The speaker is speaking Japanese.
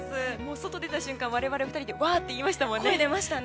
外出た瞬間、我々２人でわっ！って言いましたもんね。